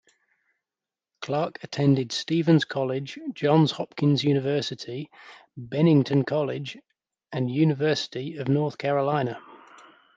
Clarke attended Stephens College, Johns Hopkins University, Bennington College, and University of North Carolina.